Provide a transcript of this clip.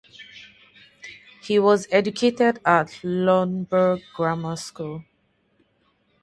He was educated at Loughborough Grammar School.